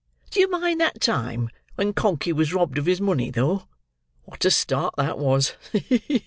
Do you mind that time when Conkey was robbed of his money, though? What a start that was!